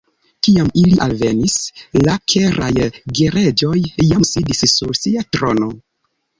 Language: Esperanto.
Kiam ili alvenis, la Keraj Gereĝoj jam sidis sur sia trono.